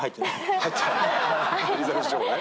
エリザベス女王ね。